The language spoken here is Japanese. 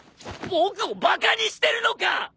僕をバカにしてるのか！？